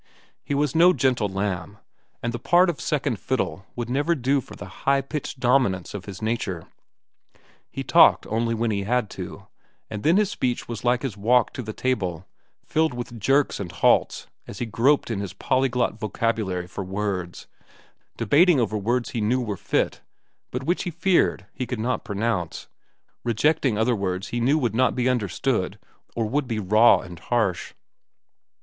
He was no gentle lamb, and the part of second fiddle would never do for the high pitched dominance of his nature. He talked only when he had to, and then his speech was like his walk to the table, filled with jerks and halts as he groped in his polyglot vocabulary for words, debating over words he knew were fit but which he feared he could not pronounce, rejecting other words he knew would not be understood or would be raw and harsh.